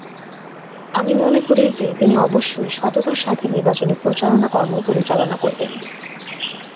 আমি মনে করি যে, তিনি অবশ্যই সততার সাথে নির্বাচনী প্রচারণা কর্ম পরিচালনা করবেন।